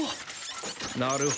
なるほど。